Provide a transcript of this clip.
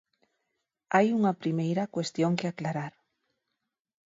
Hai unha primeira cuestión que aclarar.